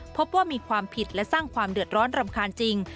พบว่ามีความผิดและสร้างความเดือดร้อนรำคาญจริง